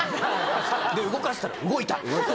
で、動かしたら、動いた！